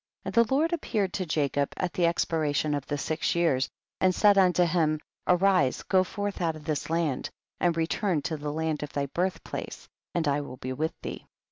And the Lord appeared to Jacob at the expiration of the six years, and said unto him, arise go forth out of this land, and return to the land of thy birth place and I will be with thee.